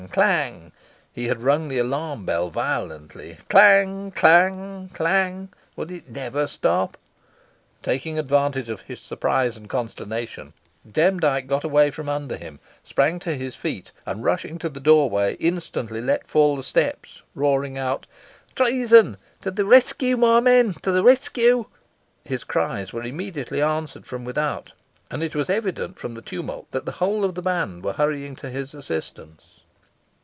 clang! He had rung the alarm bell violently. Clang! clang! clang! Would it never stop? Taking advantage of his surprise and consternation, Demdike got from under him, sprang to his feet, and rushing to the doorway, instantly let fall the steps, roaring out, "Treason! to the rescue, my men! to the rescue!" His cries were immediately answered from without, and it was evident from the tumult that the whole of the band were hurrying to his assistance.